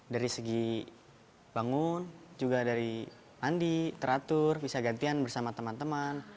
dari segi bangun juga dari mandi teratur bisa gantian bersama teman teman